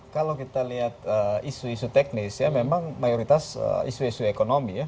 kalau kita lihat isu isu teknis ya memang mayoritas isu isu ekonomi ya